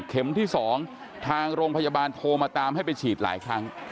ที่๒ทางโรงพยาบาลโทรมาตามให้ไปฉีดหลายครั้ง